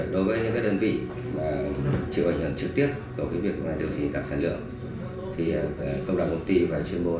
đối với những đơn vị chịu ảnh hưởng trực tiếp công đoàn công ty và chuyên môn